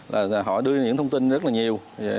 là họ đưa những thông tin rất là nhiều